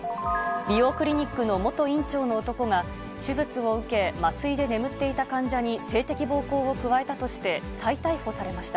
美容クリニックの元院長の男が手術を受け、麻酔で眠っていた患者に性的暴行を加えたとして、再逮捕されました。